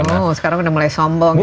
oh sekarang udah mulai sombong ya